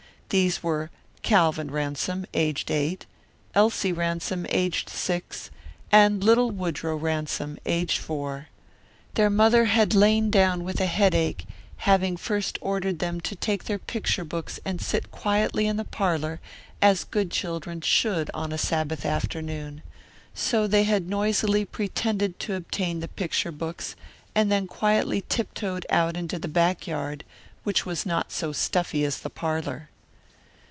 These were Calvin Ransom, aged eight; Elsie Ransom, aged six; and little Woodrow Ransom, aged four. Their mother had lain down with a headache, having first ordered them to take their picture books and sit quietly in the parlour as good children should on a Sabbath afternoon. So they had noisily pretended to obtain the picture books and then quietly tiptoed out into the backyard, which was not so stuffy as the parlour.